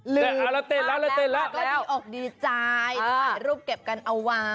แล้วเต้นแล้วแล้วก็ดีออกดีใจรูปเก็บกันเอาไว้